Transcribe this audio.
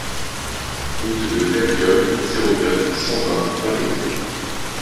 Route de Verniolle, zéro neuf, cent vingt Varilhes